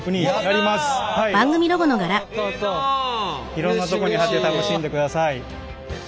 いろんなとこに貼って楽しんでください。